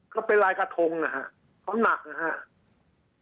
ก็เป็นลายกระทงนะฮะเขาหนักนะครับ